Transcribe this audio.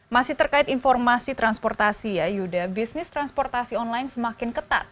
masih terkait informasi transportasi ya yuda bisnis transportasi online semakin ketat